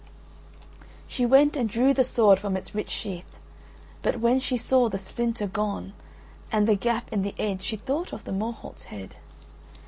She went and drew the sword from its rich sheath, but when she saw the splinter gone and the gap in the edge she thought of the Morholt's head.